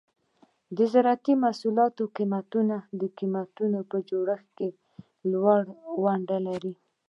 د زراعتي محصولاتو قیمتونه د قیمتونو په جوړښت کې لویه ونډه لري.